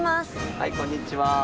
はいこんにちは。